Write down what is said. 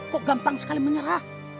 kok gampang sekali menyerah